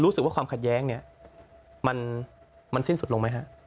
รู้สึกว่าความขัดแย้งเนี่ยมันสิ้นสุดลงไหมฮะ